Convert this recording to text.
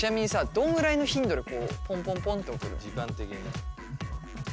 どんぐらいの頻度でポンポンポンって送るの？